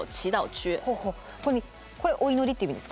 これお祈りっていう意味ですか？